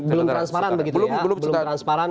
belum transparan begitu ya belum transparan